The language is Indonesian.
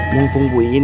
mumpung bu iin ya ada